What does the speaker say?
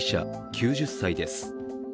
９０歳です。